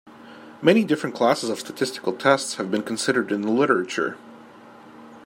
Many different classes of statistical tests have been considered in the literature.